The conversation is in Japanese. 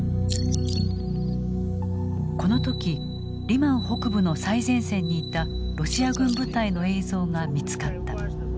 この時リマン北部の最前線にいたロシア軍部隊の映像が見つかった。